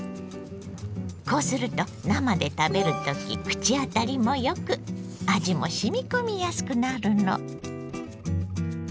こうすると生で食べる時口当たりもよく味もしみこみやすくなるの。